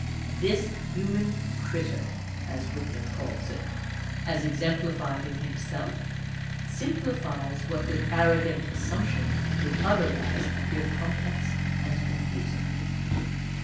This " human critter," as Whitman calls it, as exemplified in himself, simpli fies what, with arrogant assumption, would otherwise appear complex and confusing.